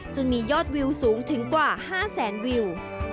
จนมียอดวิวสูงถึงกว่า๕แสนวิว